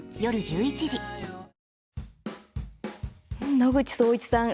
野口聡一さん